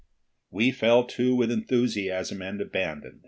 We fell to with enthusiasm and abandon.